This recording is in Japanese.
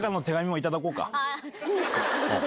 いいんですか？